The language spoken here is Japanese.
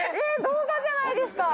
動画じゃないですか。